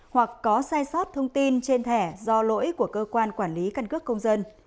hoặc có sai sót thông tin trên thẻ do lỗi của cơ quan quản lý căn cước công dân